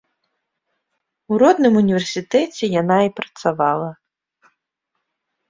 У родным універсітэце яна і працавала.